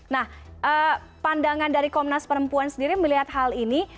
nah pandangan dari komnas perempuan sendiri melihat hal ini